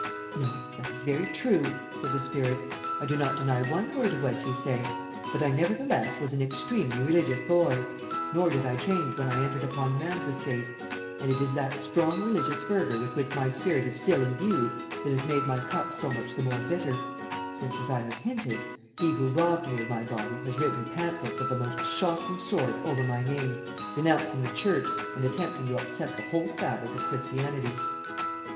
"No; that is very true," said the spirit. "I do not deny one word of what you say; but I, nevertheless, was an extremely religious boy, nor did I change when I entered upon man's estate; and it is that strong religious fervour with which my spirit is still imbued that has made my cup so much the more bitter, since, as I have hinted, he who robbed me of my body has written pamphlets of the most shocking sort over my name, denouncing the Church and attempting to upset the whole fabric of Christianity."